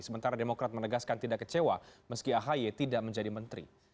sementara demokrat menegaskan tidak kecewa meski ahi tidak menjadi menteri